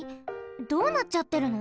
どうなっちゃってるの？